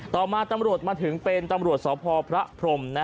ตำรวจมาถึงเป็นตำรวจสพพรม